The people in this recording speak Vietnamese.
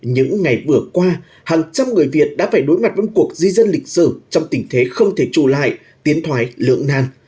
những ngày vừa qua hàng trăm người việt đã phải đối mặt với cuộc di dân lịch sử trong tình thế không thể trù lại tiến thoái lưỡng nan